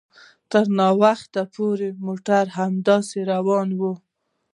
تر هغه وخته پورې موټر همداسې ولاړ وي